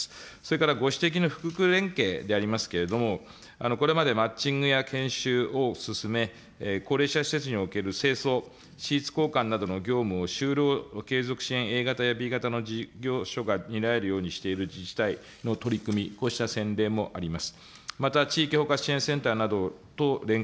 それからご指摘の福福連携でありますけれども、これまでマッチングや研修を進め、高齢者施設における清掃、シーツ交換などの業務を就労継続支援Ａ型やＢ型の事業所が担えるようにしている自治体の取り組み、こうした先例もあります。